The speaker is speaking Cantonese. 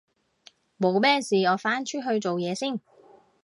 冇咩事我返出去做嘢先